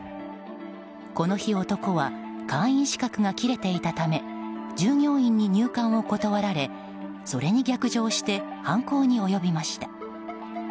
この日、男は会員資格が切れていたため従業員に入館を断られそれに逆上して犯行に及びました。